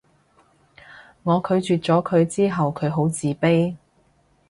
我拒絕咗佢之後佢好自卑